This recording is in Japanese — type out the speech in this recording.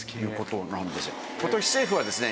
今年政府はですね